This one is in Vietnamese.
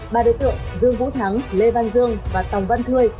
ba đối tượng dương vũ thắng lê văn dương và tòng văn thuê